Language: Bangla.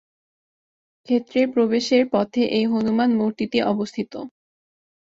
ক্ষেত্রের প্রবেশের পথে এই হনুমান মূর্তিটি অবস্থিত।